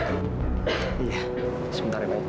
iya sebentar ya bu